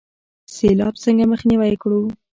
سیلاب څنګه مخنیوی کړو؟